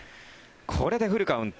これでフルカウント。